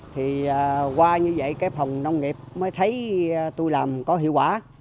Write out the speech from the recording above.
thì qua như vậy cái phòng nông nghiệp mới thấy tôi làm có hiệu quả